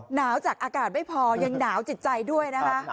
หนาวจากอากาศไม่พอยังหนาวจิตใจด้วยนะคะ